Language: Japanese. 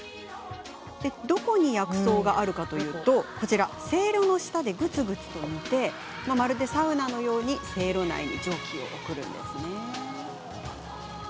どこに薬草があるかというとせいろの下でぐつぐつと煮てまるでサウナのようにせいろ内に蒸気を送っているんです。